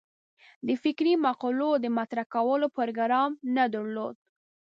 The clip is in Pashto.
د فکري مقولو د مطرح کولو پروګرام نه درلود.